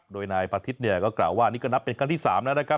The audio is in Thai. โดยนายอาทิตย์เนี่ยก็กล่าวว่านี่ก็นับเป็นครั้งที่๓แล้วนะครับ